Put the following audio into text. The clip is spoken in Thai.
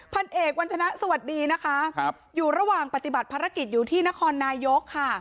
พันเอกวัญชนะสวัสดีนะคะอยู่ระหว่างปฏิบัติภารกิจอยู่ที่นครนายกค่ะ